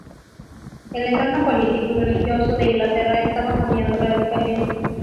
El entorno político y religioso de Inglaterra estaba cambiando radicalmente.